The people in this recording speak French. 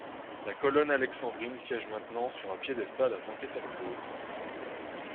La colonne alexandrine siège maintenant sur un piédestal à Saint-Pétersbourg.